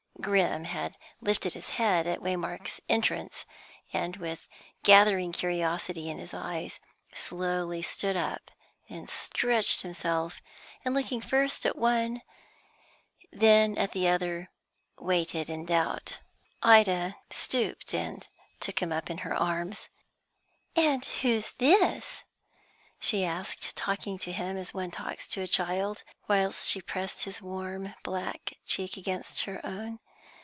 Grim had lifted his head at Waymark's entrance, and, with gathering curiosity in his eyes, slowly stood up; then stretched himself, and, looking first at one, then at the other, waited in doubt. Ida stooped and took him up in her arms. "And who's this?" she asked, talking to him as one talks to a child, whilst she pressed his warm black cheek against her own.